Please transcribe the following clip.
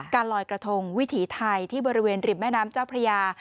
ลอยกระทงวิถีไทยที่บริเวณริมแม่น้ำเจ้าพระยา